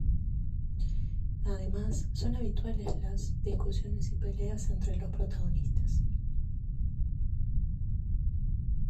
Además, son habituales las discusiones y peleas entre los protagonistas.